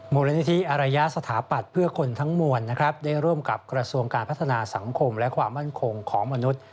มูลนิธิอารยาสถาปัตย์เพื่อคนทั้งมวลนะครับได้ร่วมกับกระทรวงการพัฒนาสังคมและความมั่นคงของมนุษย์